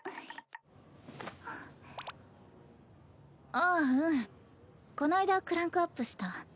ああうんこないだクランクアップした。